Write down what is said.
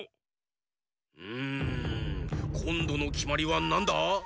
うんこんどのきまりはなんだ？